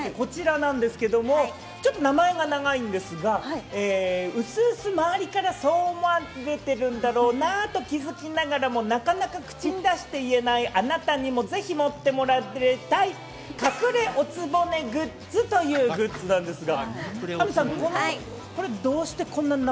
さらには、名前が長いんですが、うすうす周りからそう思われてるんだろうなと気づきながらも中々口に出して言えないあなたにもぜひ持ってもらいたい隠れお局グッズというグッズなんですが。